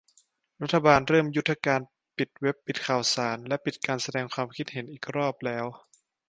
รัฐบาลเริ่มยุทธการปิดเว็บปิดข่าวสารและปิดการแสดงความเห็นอีกรอบแล้ว